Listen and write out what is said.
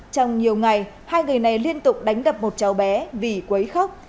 trong nhiều ngày hai người này liên tục đánh gặp một cháu bé vì quấy khóc